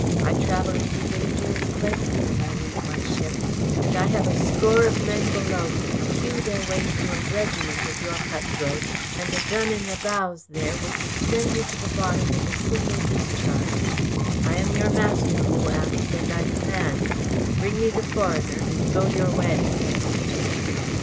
I travel into dangerous places when I leave my ship, and I have a score of men below who could hew their way through a regiment of your cutthroats, and a gun in the bows there which would send you to the bottom with a single discharge. I am your master, Wu Abst, and I command. Bring me the foreigner and go your way."